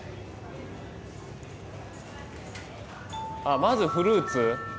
あっまずフルーツ？